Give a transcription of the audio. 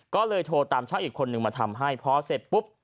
ก็เลยโทรตามช่างอีกคนนึงมาทำให้พอเสร็จปุ๊บ